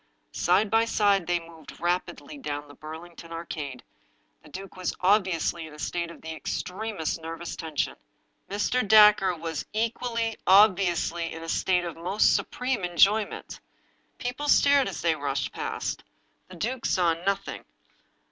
Side by side they moved rapidly down the Burlington Ar cade. The duke was obviously in a state of the extremest nervous tension. Mr. Dacre was equally obviously in a state of the most supreme enjoyment. People stared as they rushed past. The duke saw nothing.